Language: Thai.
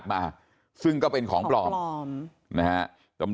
สวัสดีครับคุณผู้ชาย